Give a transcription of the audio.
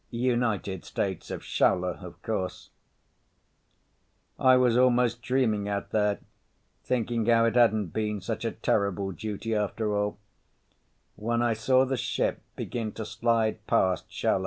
United States of Shaula, of course. I was almost dreaming out there, thinking how it hadn't been such a terrible duty after all, when I saw the ship begin to slide past Shaula.